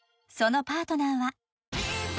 ［そのパートナーは］